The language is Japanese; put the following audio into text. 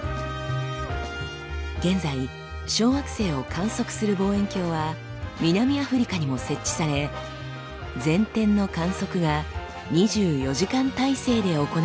現在小惑星を観測する望遠鏡は南アフリカにも設置され全天の観測が２４時間体制で行われています。